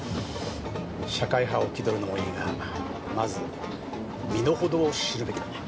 社会派を気取るのもいいがまず身のほどを知るべきだな。